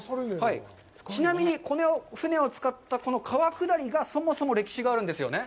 ちなみに、この船を使った川下りがそもそも歴史があるんですよね？